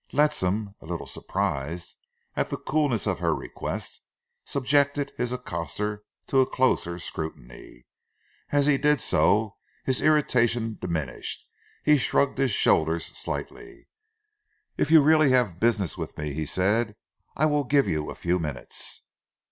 Ledsam, a little surprised at the coolness of her request, subjected his accoster to a closer scrutiny. As he did so, his irritation diminished. He shrugged his shoulders slightly. "If you really have business with me," he said, "I will give you a few minutes."